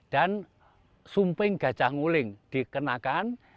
dan sumping gacah nguling dikenakan